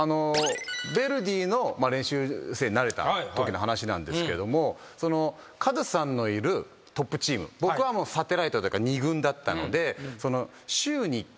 ヴェルディの練習生になれたときの話なんですけどもカズさんのいるトップチームサテライトだから。